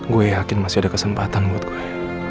gue yakin masih ada kesempatan buat gue